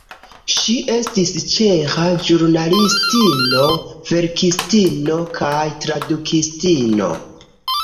Ŝi estis ĉeĥa ĵurnalistino, verkistino kaj tradukistino.